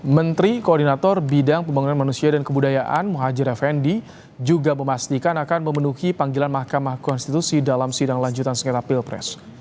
menteri koordinator bidang pembangunan manusia dan kebudayaan muhajir effendi juga memastikan akan memenuhi panggilan mahkamah konstitusi dalam sidang lanjutan sengketa pilpres